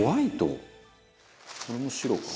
これも白か」